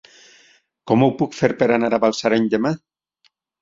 Com ho puc fer per anar a Balsareny demà?